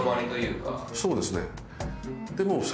そうですね。